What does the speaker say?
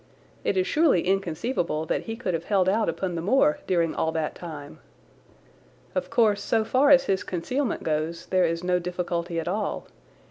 It is surely inconceivable that he could have held out upon the moor during all that time. Of course, so far as his concealment goes there is no difficulty at all.